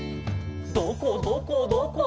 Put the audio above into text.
「どこどこどこ？